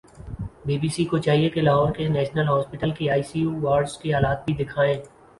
be B C کو چاہیے کہ لاہور کے نیشنل ہوسپٹل کے آئی سی یو وارڈز کے حالات بھی دیکھائیں